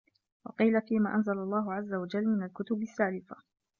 وَقِيلَ فِيمَا أَنْزَلَ اللَّهُ عَزَّ وَجَلَّ مِنْ الْكُتُبِ السَّالِفَةِ